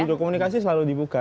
jadi komunikasi selalu dibuka